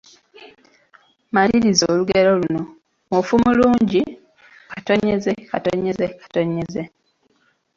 Maliriza olugero luno, Mufu mulungi, ……